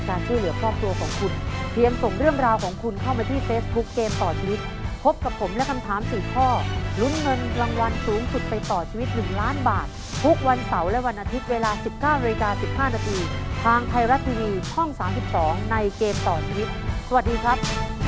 คนที่มีความชตัวสัมพันธ์ในเกรดต่อชีวิตสวัสดีครับ